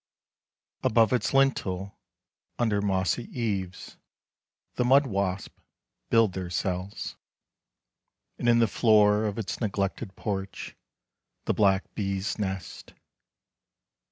Above its lintel, under mossy eaves, The mud wasps build their cells; and in the floor Of its neglected porch The black bees nest.